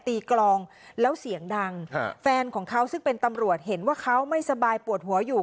กลองแล้วเสียงดังฮะแฟนของเขาซึ่งเป็นตำรวจเห็นว่าเขาไม่สบายปวดหัวอยู่